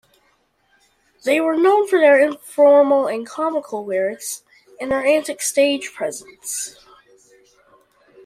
They were known for their informal and comical lyrics and their antic stage presence.